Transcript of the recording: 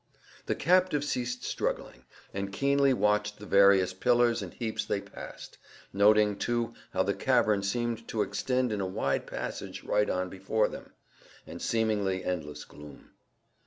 The captive ceased struggling, and keenly watched the various pillars and heaps they passed, noting too how the cavern seemed to extend in a wide passage right on before them, and seemingly endless gloom.